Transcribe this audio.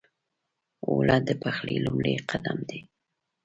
اوړه د پخلي لومړی قدم دی